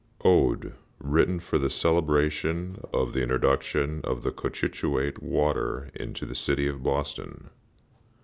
ODE WRITTEN FOR THE CELEBRATION OF THE INTRODUCTION OF THE COCHITUATE WATER INTO THE CITY OF BOSTON.